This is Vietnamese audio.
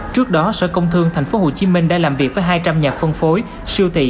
trước đó sở công thương tp hcm đã làm việc với hai trăm linh nhà phân phối siêu thị